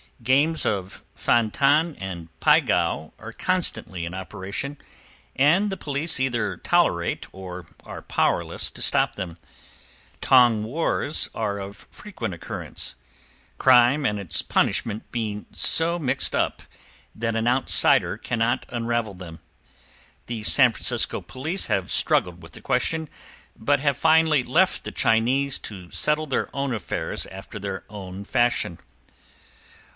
Games of fan tan and pie gow are constantly in operation; and the police either tolerate or are powerless to stop them. Tong wars are of frequent occurrence, crime and its punishment being so mixed up that an outsider cannot unravel them. The San Francisco police have struggled with the question, but have finally left the Chinese to settle their own affairs after their own fashion.